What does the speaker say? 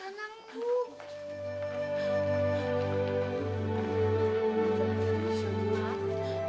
ini yang harus diberikan pak